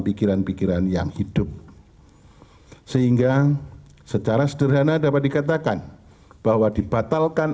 pikiran pikiran yang hidup sehingga secara sederhana dapat dikatakan bahwa dibatalkan